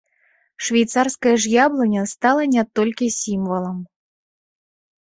Швейцарская ж яблыня стала не толькі сімвалам.